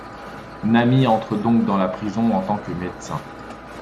Nami entre donc dans la prison en tant que médecin.